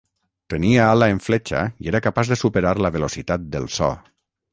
Tenia ala en fletxa i era capaç de superar la velocitat del so.